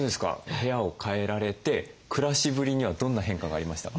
部屋を変えられて暮らしぶりにはどんな変化がありましたか？